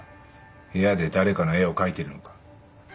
部屋で誰かの絵を描いているのか？